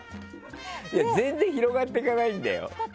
全然広がっていかないんだよ。